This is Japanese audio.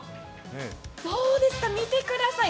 どうですか、見てください。